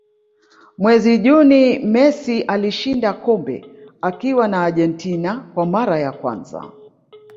mwezi juni messi alishinda kombe akiwa na argentina kwa mara ya kwanza